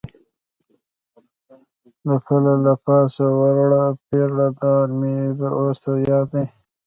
د پله له پاسه ولاړ پیره دار مې تر اوسه یاد دی.